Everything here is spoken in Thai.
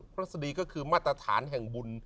รัศดีก็คือมาตรฐานแห่งบุญ